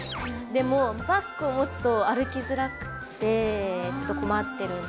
でもバッグを持つと歩きづらくてちょっと困ってるんだ。